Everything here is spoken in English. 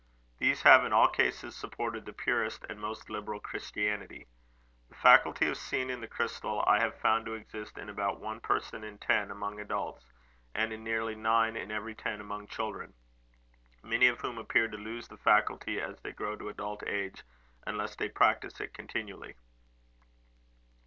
These have in all cases supported the purest and most liberal Christianity. The faculty of seeing in the crystal I have found to exist in about one person in ten among adults, and in nearly nine in every ten among children; many of whom appear to lose the faculty as they grow to adult age, unless they practise it continually."